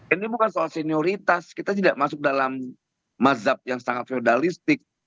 ini bukan soal senioritas kita tidak masuk dalam mazhab yang sangat feudalistik